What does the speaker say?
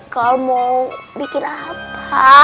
kamu bikin apa